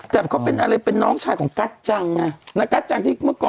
แต่เขาอะไรเป็นน้องชายของกัชจัง